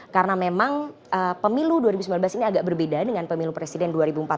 karena memang pemilu dua ribu sembilan belas ini agak berbeda dengan pemilu presiden dua ribu empat belas